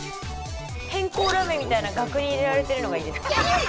偏光ラメみたいな額に入れられてるのがいいですね。